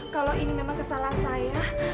kalau ini memang kesalahan saya